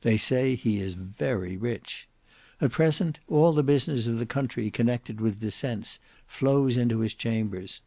They say he is very rich. At present all the business of the country connected with descents flows into his chambers.